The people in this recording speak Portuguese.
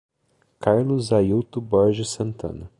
Carlos Ailto Borges Santana